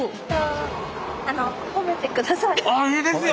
ああいいですよ！